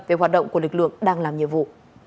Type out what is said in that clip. về hoạt động của lực lượng đang làm nhiệm vụ